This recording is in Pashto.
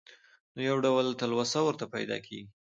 نو يو ډول تلوسه ورته پېدا کيږي.